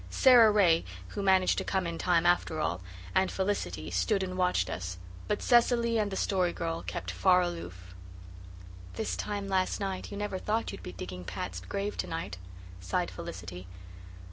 Sara Ray, who managed to come in time after all, and Felicity stood and watched us, but Cecily and the Story Girl kept far aloof. "This time last night you never thought you'd be digging Pat's grave to night," sighed Felicity.